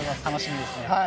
楽しみですね。